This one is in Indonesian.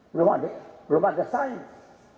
belum ada belum ada sains